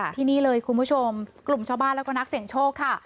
ที่นี่เลยคุณผู้ชมกลุ่มชาวบ้านแล้วก็นักเสี่ยงโชคค่ะ